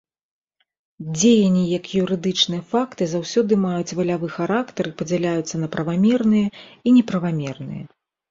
Дзеянні як юрыдычныя факты заўсёды маюць валявы характар і падзяляюцца на правамерныя і неправамерныя.